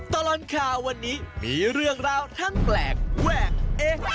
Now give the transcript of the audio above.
ตลอดข่าววันนี้มีเรื่องราวทั้งแปลกแวกเอ๊ะ